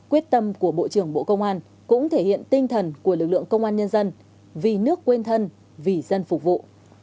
quyết tâm của bộ trưởng bộ công an cũng thể hiện tinh thần của lực lượng công an nhân dân vì nước quên thân vì dân phục vụ